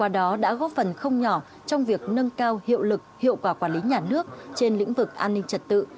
đó đã góp phần không nhỏ trong việc nâng cao hiệu lực hiệu quả quản lý nhà nước trên lĩnh vực an ninh trật tự